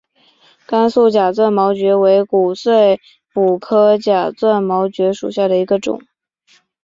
甘肃假钻毛蕨为骨碎补科假钻毛蕨属下的一个种。